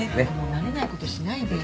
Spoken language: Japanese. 慣れないことしないでよ。